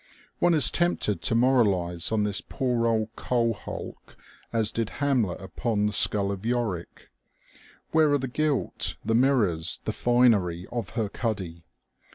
One is tempted to moralize on this poor old coal hulk as did Hamlet upon the skull of Yorick. Where are the gilt, the mirrors, the finery of her cuddy?